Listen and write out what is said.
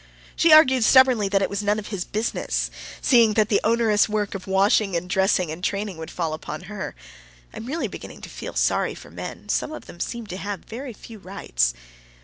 She argued stubbornly that it was none of his business, seeing that the onerous work of washing and dressing and training would fall upon her. I am really beginning to feel sorry for men. Some of them seem to have very few rights.